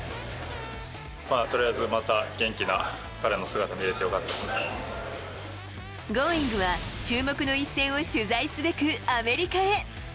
とりあえずまた、元気な彼のＧｏｉｎｇ！は注目の一戦を取材すべく、アメリカへ。